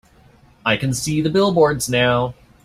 I can see the billboards now.